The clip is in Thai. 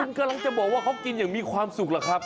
คุณกำลังจะบอกว่าเขากินอย่างมีความสุขล่ะครับ